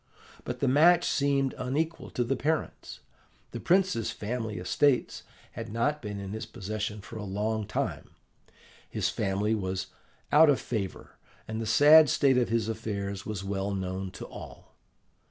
"But the match seemed unequal to the parents. The prince's family estates had not been in his possession for a long time, his family was out of favour, and the sad state of his affairs was well known to all.